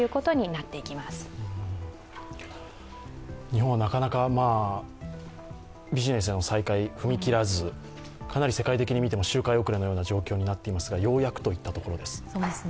日本はなかなか、ビジネスの再開、踏み切らずかなり世界的に見ても周回遅れのような状況になっていますが、ようやくといったところです。